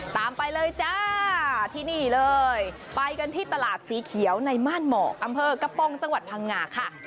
ตามไปเลยจ้าที่นี่เลยไปกันที่ตลาดสีเขียวในม่านหมอกอำเภอกระโปรงจังหวัดพังงาค่ะ